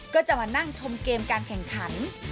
ก็จะมานั่งชมเกมการแข่งขัน